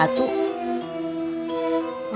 kamu pun harus minum